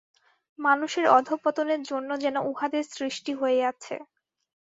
মানুষের অধঃপতনের জন্য যেন উহাদের সৃষ্টি হইয়াছে।